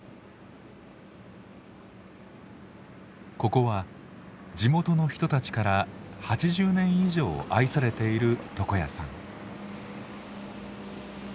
ここは地元の人たちから８０年以上愛されている床屋さん。